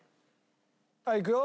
はいいくよ